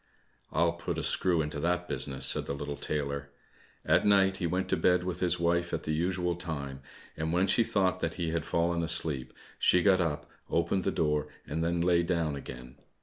"I'll put a screw into that business," said the little tailor. At night he went to bed with his wife at the usual time, and when she thought that he had fallen asleep, she got up, opened the door, and then lay down again.